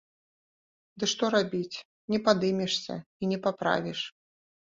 Ды што рабіць, не падымешся і не паправіш.